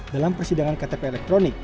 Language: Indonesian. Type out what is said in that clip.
dalam persidangan ktp elektronik